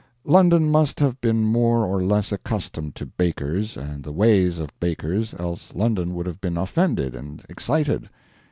London must have been more or less accustomed to Bakers, and the ways of Bakers, else London would have been offended and excited.